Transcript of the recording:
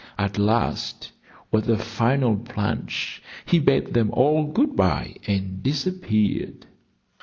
At last, with a final plunge, he bade them all good by and disappeared.